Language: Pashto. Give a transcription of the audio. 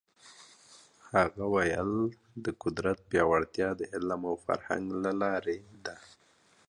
هغه ویلي، د قدرت پیاوړتیا د علم او فرهنګ له لاري ده.